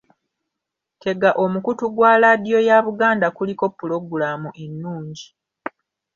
Ttega omukutu gwa laadiyo ya Buganda kuliko pulogulamu ennungi.